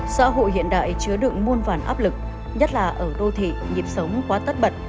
xã hội hiện đại chứa đựng muôn vàn áp lực nhất là ở đô thị nhịp sống quá tất bật